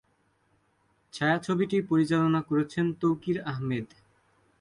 ছায়াছবিটি পরিচালনা করেছেন তৌকির আহমেদ।